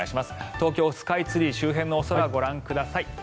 東京スカイツリー周辺のお空ご覧ください。